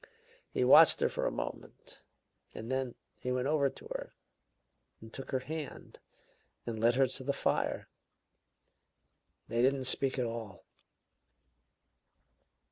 He watched her for a moment, and then he went over to her, and took her hand, and led her to the fire. They didn't speak at all."